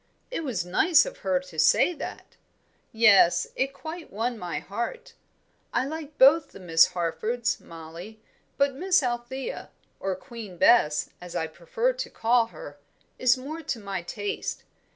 '" "It was nice of her to say that." "Yes; it quite won my heart. I like both the Miss Harfords, Mollie; but Miss Althea or Queen Bess, as I prefer to call her is more to my taste.